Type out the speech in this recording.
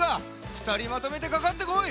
ふたりまとめてかかってこい！